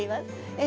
え